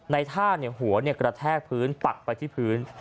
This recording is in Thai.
ท่าหัวกระแทกพื้นปักไปที่พื้น